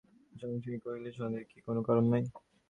জয়সিংহ কহিলেন, সন্দেহের কি কোনো কারণ নাই?